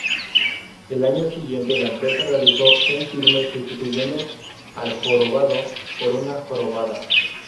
El año siguiente, la empresa realizó un filme, sustituyendo al jorobado por una jorobada.